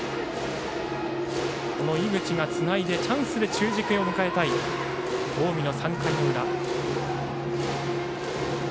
井口がつないでチャンスで中軸を迎えたい近江の３回の裏。